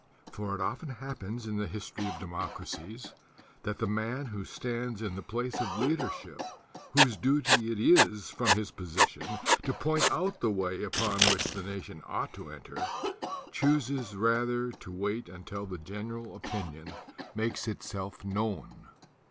"For it often happens in the history of democracies that the man who stands in the place of leadership, whose duty it is from his : '>n to point out the way upon which the nation ought to enter, chooses rather to wait until the general opinion ma' If known.